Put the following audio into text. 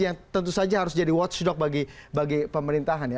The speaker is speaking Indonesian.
yang tentu saja harus jadi watchdog bagi pemerintahan ya